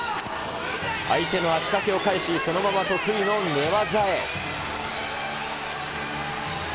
相手の足掛けを返し、そのまま得意の寝技へ。